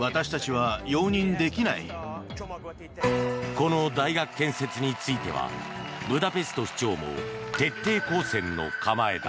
この大学建設についてはブダペスト市長も徹底抗戦の構えだ。